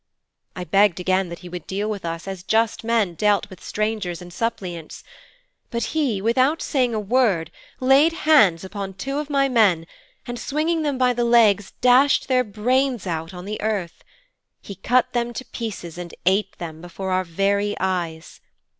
'I begged again that he would deal with us as just men deal with strangers and suppliants, but he, without saying a word, laid hands upon two of my men, and swinging them by the legs, dashed their brains out on the earth. He cut them to pieces and ate them before our very eyes.